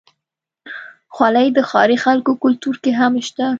خولۍ د ښاري خلکو کلتور کې هم شته.